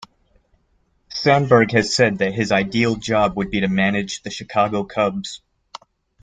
Sandberg has said that his ideal job would be to manage the Chicago Cubs.